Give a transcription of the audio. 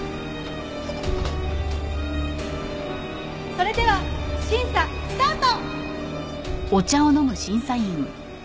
それでは審査スタート！